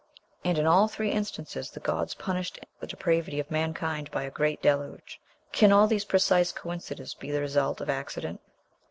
And in all three instances the gods punished the depravity of mankind by a great deluge. Can all these precise coincidences be the result of accident?